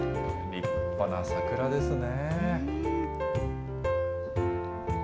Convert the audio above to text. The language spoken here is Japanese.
立派な桜ですね。